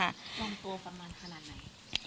ลงตัวประมาณขนาดไหน